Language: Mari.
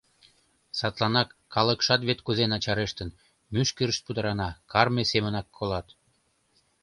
Садланак калыкшат вет кузе начарештын, мӱшкырышт пудырана, карме семынак колат.